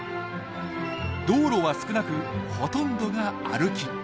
道路は少なくほとんどが歩き。